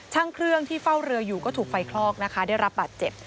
ช่างเครื่องที่เฝ้าเรืออยู่ก็ถูกไฟคลอกนะคะได้รับบาดเจ็บ